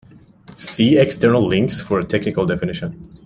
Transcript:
See external links for a technical definition.